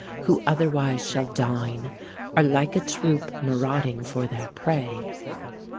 Who otherwise shall dine, Are like a troop marauding for their prey.